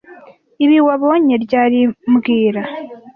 Ibi wabonye ryari mbwira